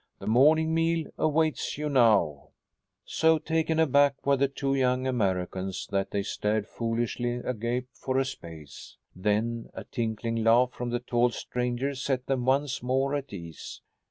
The morning meal awaits you now." So taken aback were the two young Americans that they stared foolishly agape for a space. Then a tinkling laugh from the tall stranger set them once more at ease.